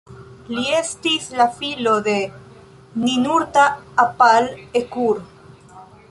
Li estis la filo de Ninurta-apal-ekur.